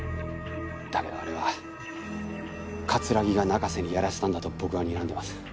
だけどあれは葛城が中瀬にやらせたんだと僕はにらんでいます。